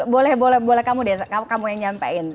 boleh boleh kamu deh kamu yang nyampein